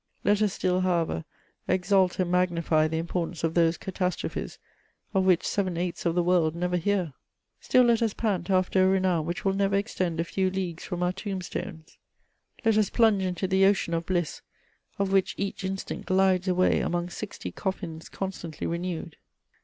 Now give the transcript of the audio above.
Let us still, however, exalt and magnify the importance of those catastrophes of which seven eighths of the world never hear! Still let us pant afler a renown which will never extend a few leagues from om* tombstones ! Let us plunge into the ocean CHATEAUBRIAND. 287 of bliss, of which each instant glides away among sixty coffins constantly renewed